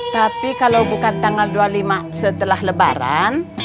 tapi kalau bukan tanggal dua puluh lima setelah lebaran